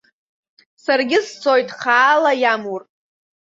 Саргьы сцоит, хаала иамур.